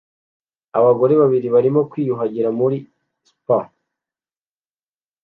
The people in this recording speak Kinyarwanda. Abagore babiri barimo kwiyuhagira muri spa